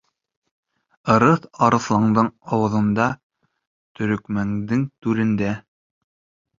Ырыҫ арыҫландың ауыҙында, төрөкмәндең түрендә.